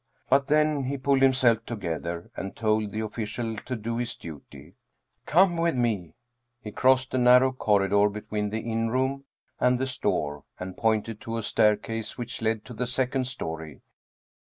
But then he pulled himself together and told the official to do his duty. " Come with me." He crossed a narrow corridor between the inn room and the store and pointed to a staircase which led to the second story.